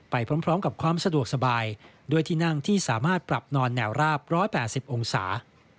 ไปพร้อมกับความสะดวกสบายด้วยที่นั่งที่สามารถปรับนอนแนวราบ๑๘๐องศา